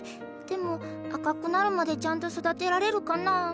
でも赤くなるまでちゃんと育てられるかな？